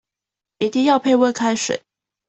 一定要配溫開水